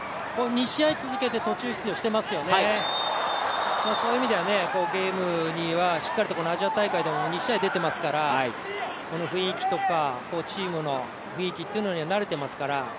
２試合続けて途中出場してますよね、そういう意味でゲームにはしっかりとアジア大会でも２試合出てますからこの雰囲気とかチームの雰囲気というのは慣れてますから。